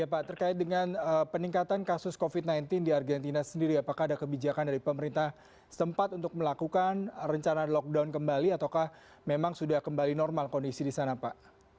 ya pak terkait dengan peningkatan kasus covid sembilan belas di argentina sendiri apakah ada kebijakan dari pemerintah setempat untuk melakukan rencana lockdown kembali ataukah memang sudah kembali normal kondisi di sana pak